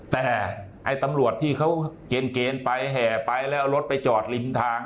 แต่ไอ้ตำรวจที่เขาเกณฑ์ไปแห่ไปแล้วเอารถไปจอดริมทาง